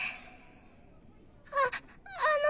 ああの！